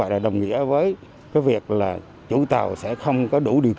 thì tri cục